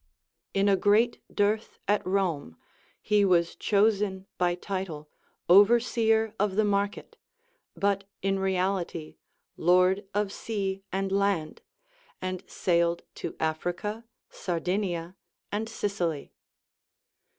In a great dearth at Rome, he was chosen by title overseer of the market, but in reality lord of sea and land, and sailed to Africa, Sardinia, and Sicily.